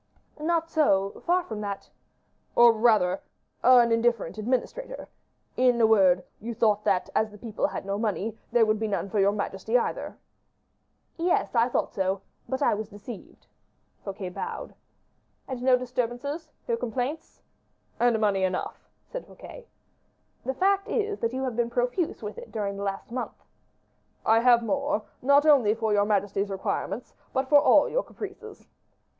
"Not so; far from that." "Or, rather an indifferent administrator. In a word, you thought that, as the people had no money, there would be none for your majesty either." "Yes, I thought so; but I was deceived." Fouquet bowed. "And no disturbances, no complaints?" "And money enough," said Fouquet. "The fact is that you have been profuse with it during the last month." "I have more, not only for all your majesty's requirements, but for all your caprices."